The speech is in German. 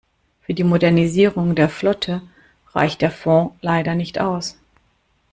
Für die Modernisierung der Flotte reicht der Fond leider nicht aus.